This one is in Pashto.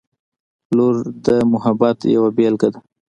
• لور د محبت یوه بېلګه ده.